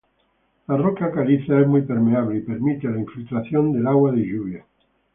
La roca caliza es muy permeable y permite la infiltración del agua de lluvia.